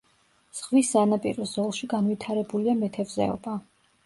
ზღვის სანაპირო ზოლში განვითარებულია მეთევზეობა.